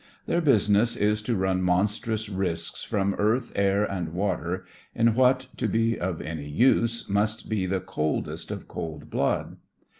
Their business is to run monstrous risks from earth, air, and water, in what, to be of any use, must be the coldest of cold blood.